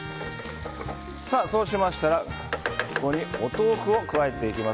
そうしましたらここにお豆腐を加えていきます。